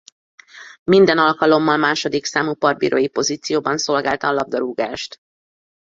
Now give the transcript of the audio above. Minden alkalommal második számú partbírói pozícióban szolgálta a labdarúgást.